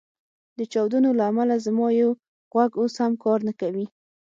د چاودنو له امله زما یو غوږ اوس هم کار نه کوي